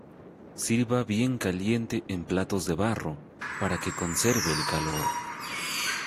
Sirva bien caliente en platos de barro, para que conserve el calor.